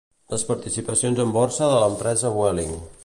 Les participacions en borsa de l'empresa Vueling.